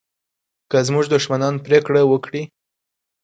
که زموږ دښمنان پرېکړه وکړي